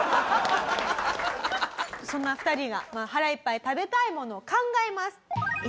そんな２人が腹いっぱい食べたいものを考えます。